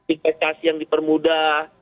investasi yang dipermudah